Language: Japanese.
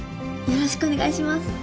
よろしくお願いします。